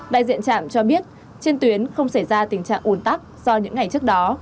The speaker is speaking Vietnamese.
đại diện trạm cho biết trên tuyến không xảy ra tình trạng ủn tắc do những ngày trước đó